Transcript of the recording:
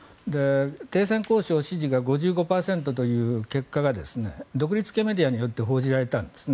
停戦交渉支持が５５％という結果が独立系メディアによって報じられたんです。